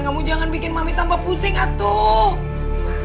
kamu jangan bikin mami tambah pusing atau